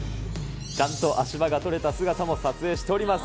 ちゃんと足場が取れた姿も撮影しております。